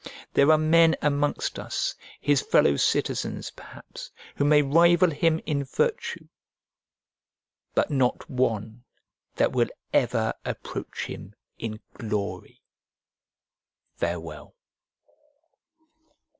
There are men amongst us, his fellow citizens, perhaps, who may rival him in virtue; but not one that will ever approach him in glory. Farewell.